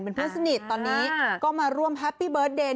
เป็นเพื่อนสนิทตอนนี้ก็มาร่วมแฮปปี้เบิร์ตเดย์